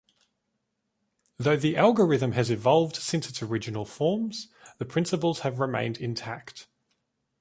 Though the algorithm has evolved since its original forms, the principles have remained intact.